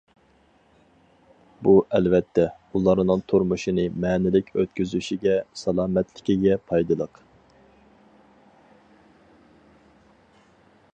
بۇ، ئەلۋەتتە، ئۇلارنىڭ تۇرمۇشىنى مەنىلىك ئۆتكۈزۈشىگە، سالامەتلىكىگە پايدىلىق.